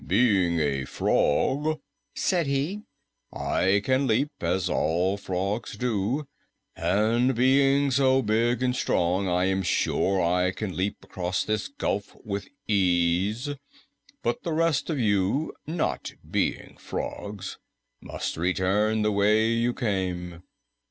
"Being a frog," said he, "I can leap, as all frogs do, and being so big and strong, I am sure I can leap across this gulf with ease. But the rest of you, not being frogs, must return the way you came."